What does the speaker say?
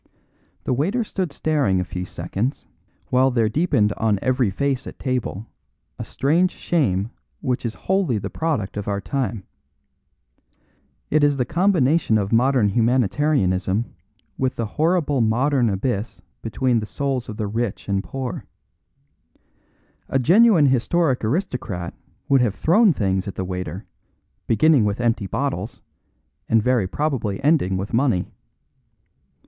The waiter stood staring a few seconds, while there deepened on every face at table a strange shame which is wholly the product of our time. It is the combination of modern humanitarianism with the horrible modern abyss between the souls of the rich and poor. A genuine historic aristocrat would have thrown things at the waiter, beginning with empty bottles, and very probably ending with money.